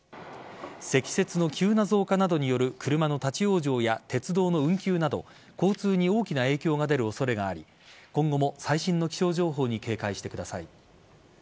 積雪の急な増加などによる車の立ち往生や鉄道の運休など交通に大きな影響が出る恐れがあり今後も最新の気象情報に警戒してください。